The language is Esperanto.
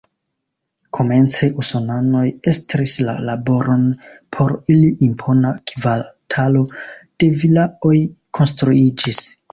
Komence usonanoj estris la laboron, por ili impona kvartalo de vilaoj konstruiĝis.